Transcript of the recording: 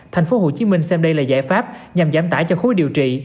tp hcm xem đây là giải pháp nhằm giảm tải cho khối điều trị